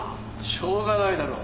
しようがないだろう。